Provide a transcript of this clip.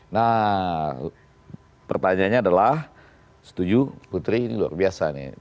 nah pertanyaannya adalah setuju putri ini luar biasa nih